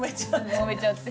もめちゃって。